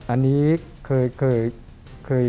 อันนี้เคย